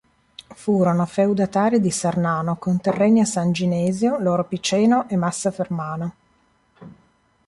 Furono feudatari di Sarnano, con terreni a San Ginesio, Loro Piceno e Massa Fermana.